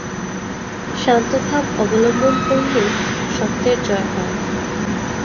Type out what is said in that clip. শান্তভাব অবলম্বন করিলেই সত্যের জয় হয়।